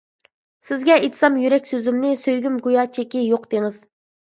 سىزگە ئېيتسام يۈرەك سۆزۈمنى، سۆيگۈم گويا چېكى يوق دېڭىز.